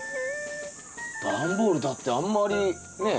段ボールだってあんまりねえ？